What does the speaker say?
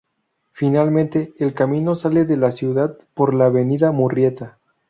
Finalmente el camino sale de la ciudad por la avenida Murrieta.